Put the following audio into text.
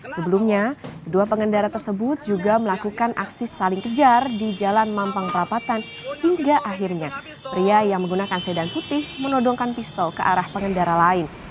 sebelumnya dua pengendara tersebut juga melakukan aksi saling kejar di jalan mampang perapatan hingga akhirnya pria yang menggunakan sedan putih menodongkan pistol ke arah pengendara lain